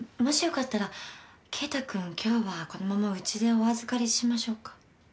もしよかったら圭太君今日はこのままうちでお預かりしましょうか？